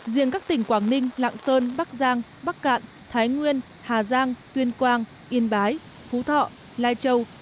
riêng các tỉnh quảng ninh lạng sơn bắc giang bắc cạn thái nguyên hà giang tuyên quang yên bái phú thọ lai châu